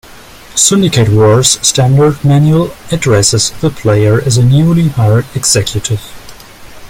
"Syndicate Wars"' standard manual addresses the player as a newly hired Executive.